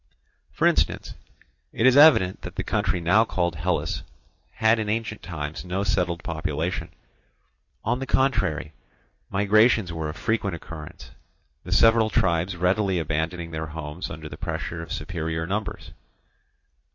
For instance, it is evident that the country now called Hellas had in ancient times no settled population; on the contrary, migrations were of frequent occurrence, the several tribes readily abandoning their homes under the pressure of superior numbers.